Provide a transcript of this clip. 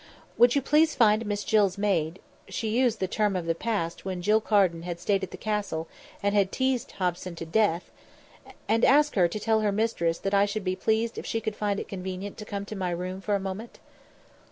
"Would you please find Miss Jill's maid," (she used the term of the past, when Jill Carden had stayed at the Castle and had teased Hobson to death) "and ask her to tell her mistress that I should be pleased if she could find it convenient to come to my room for a moment."